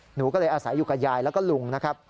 หนูก็เลยอาศัยอยู่กับยายแล้วก็ลุงนะครับ